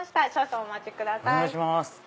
お願いします。